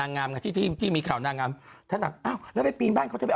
งามที่ที่มีเขาน่างามท่านถามอ้าวแล้วไปไปว่าเขาได้